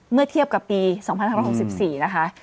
เมื่อเทียบกับปี๒๕๖๔นะคะ